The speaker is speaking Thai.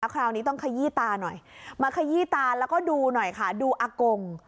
คราวนี้ต้องขยี้ตาหน่อยมาขยี้ตาแล้วก็ดูหน่อยค่ะดูอากง